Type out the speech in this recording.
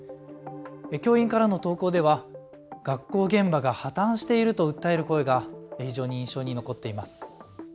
教員からの投稿では学校現場が破綻していると訴える声が非常に印象に残っています。